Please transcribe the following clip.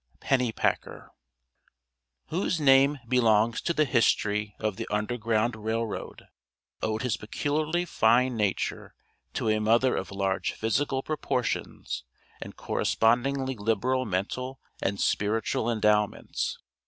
PENNYPACKER, Whose name belongs to the history of the Underground Rail Road, owed his peculiarly fine nature to a mother of large physical proportions, and correspondingly liberal mental and spiritual endowments.